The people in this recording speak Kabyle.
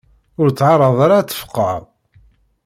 Ur ttεaraḍ ara ad tfeqεeḍ.